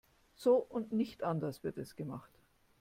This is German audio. So und nicht anders wird es gemacht.